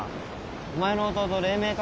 お前の弟黎明館